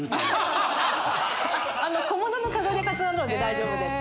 小物の飾り方なので大丈夫です。